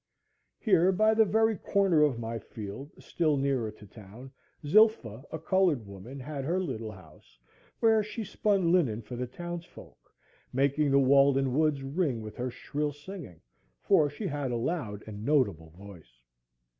Here, by the very corner of my field, still nearer to town, Zilpha, a colored woman, had her little house, where she spun linen for the townsfolk, making the Walden Woods ring with her shrill singing, for she had a loud and notable voice.